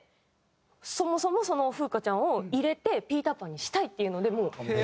そもそもそのふうかちゃんを入れてピーター・パンにしたいっていうのでもう。